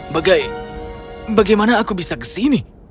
bagai bagaimana aku bisa kesini